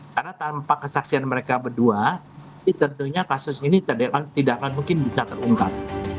karena tanpa kesaksian mereka berdua ini tentunya kasus ini tidak akan mungkin bisa terungkap